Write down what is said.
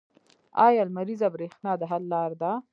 آیا لمریزه بریښنا د حل لاره ده؟